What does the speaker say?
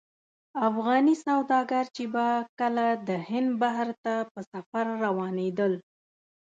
افغاني سوداګر چې به کله د هند بحر ته په سفر روانېدل.